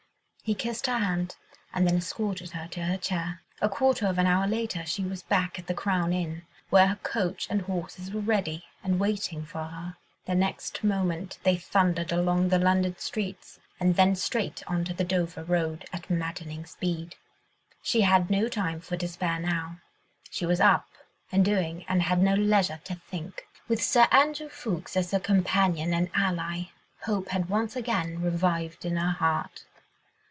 He kissed her hand, and then escorted her to her chair. A quarter of an hour later she was back at the "Crown" inn, where her coach and horses were ready and waiting for her. The next moment they thundered along the London streets, and then straight on to the Dover road at maddening speed. She had no time for despair now. She was up and doing and had no leisure to think. With Sir Andrew Ffoulkes as her companion and ally, hope had once again revived in her heart.